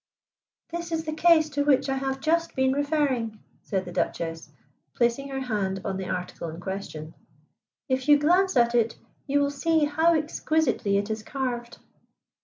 "This is the case to which I have just been referring," said the Duchess, placing her hand on the article in question. "If you glance at it you will see how exquisitely it is carved."